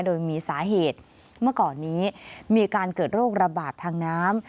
โดยมีสาเหตุเมื่อก่อนนี้มีการเกิดโรคระบาดทางน้ำ